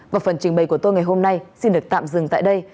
và phần trình bày của tôi ngày hôm nay xin được tạm dừng tại đây